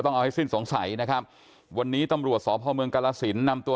ต้องเอาให้สิ้นสงสัยนะครับวันนี้ตำรวจสพเมืองกรสินนำตัว